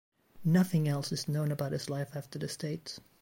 Nothing else is known about his life after this date.